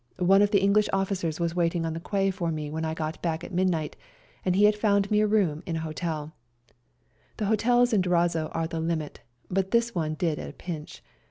One of the Enghsh officers was waiting on the quay for me when I got back at midnight, and he had found me room in an hotel. The hotels in Durazzo are the limit, but this one did at a pinch.